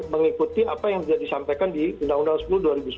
mengikuti apa yang sudah disampaikan di undang undang sepuluh dua ribu sembilan belas